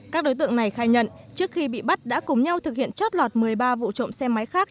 các đối tượng này khai nhận trước khi bị bắt đã cùng nhau thực hiện chót lọt một mươi ba vụ trộm xe máy khác